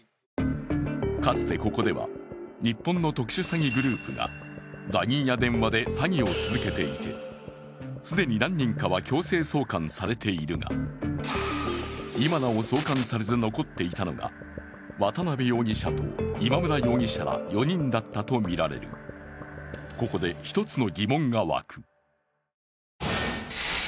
かつて、ここでは日本の特殊詐欺グループがＬＩＮＥや電話で詐欺を続けていて、既に何人かは強制送還されているが、今なお送還されず残っていたのが渡辺容疑者と今村容疑者ら４人だったとみられるここで１つの疑問が沸く。